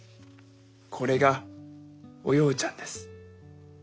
これがおようちゃんです。